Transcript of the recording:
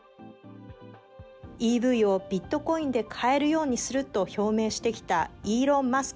ＥＶをビットコインで買えるようにすると表明してきたイーロン・マスク